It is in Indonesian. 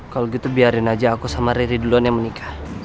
kalau gitu biarin aja aku sama riri duluan yang menikah